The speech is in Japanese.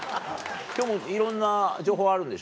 今日もいろんな情報あるんでしょ？